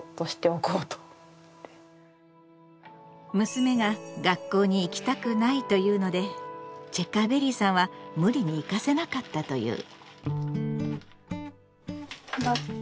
娘が「学校に行きたくない」と言うのでチェッカーベリーさんは無理に行かせなかったという。